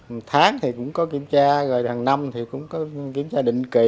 một tháng thì cũng có kiểm tra rồi hàng năm thì cũng có kiểm tra định kỳ